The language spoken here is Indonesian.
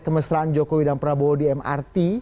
kemesraan jokowi dan prabowo di mrt